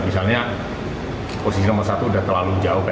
misalnya posisi nomor satu udah terlalu jauh